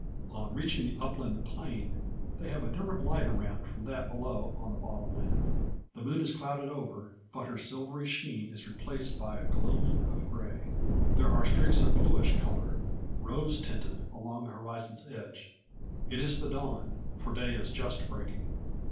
On reaching the upland plain, they have a different light around, from that below on the bottom land. The moon is clouded over, but her silvery sheen is replaced by a gloaming of grey. There are streaks of bluish colour, rose tinted, along the horizon's edge. It is the dawn, for day is just breaking.